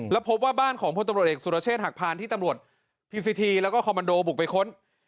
แล้วพบว่าบ้านของพลตำรวจเอกสุรเชษฐหักพานที่ตำรวจพีซีทีแล้วก็คอมมันโดบุกไปค้น